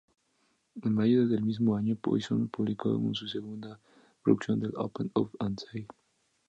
En mayo del mismo año, Poison publicó su segunda producción "Open Up and Say...